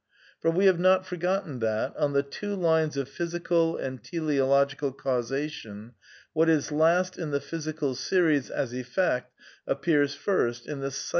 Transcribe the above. For we have not forgotten that, on the two lines of phys ical and teleologicai causation, what is last in the physical series as effect appears first in the psychic series as cause.